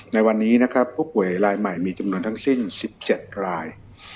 ในวันนี้นะครับผู้ป่วยรายใหม่มีจำนวนทั้งสิ้น๑๗ราย